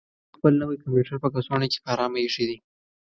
هغه خپل نوی کمپیوټر په کڅوړه کې په ارامه اېښی دی.